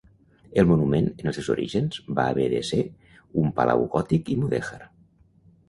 El monument en els seus orígens va haver de ser un palau gòtic i mudèjar.